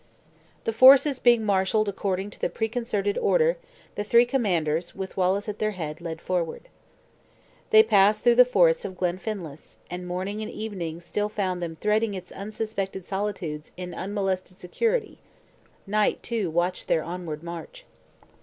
The forces being marshaled according to the preconcerted order, the three commanders, with Wallace at their head, led forward. They passed through the forest of Glenfinlass; and morning and evening still found them threading its unsuspected solitudes in unmolested security; night, too, watched their onward march.